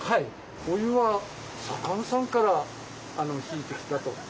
お湯は佐勘さんから引いてきたと。